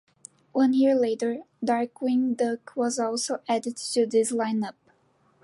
One year later, "Darkwing Duck" was also added to this lineup.